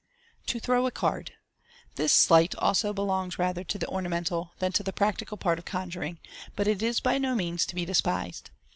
To Throw a Card. — This sleight also belongs rather to the orna mental than to the practical part of conjuring, but it is by no means to be despised.